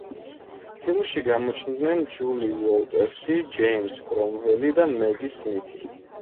ფილმში გამოჩნდნენ ჯული უოლტერსი, ჯეიმზ კრომველი და მეგი სმითი.